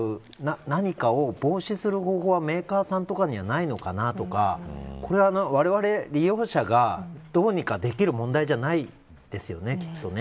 何かを防止する方法はメーカーさんとかにはないのかなとかこれはわれわれ利用者がどうにかできる問題じゃないですよね、きっとね。